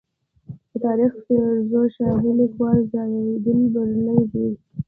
د تاریخ فیروز شاهي لیکوال ضیا الدین برني دی.